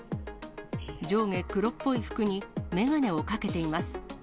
上下黒っぽい服に、眼鏡をかけています。